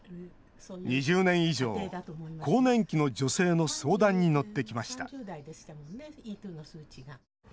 ２０年以上、更年期の女性の相談に乗ってきました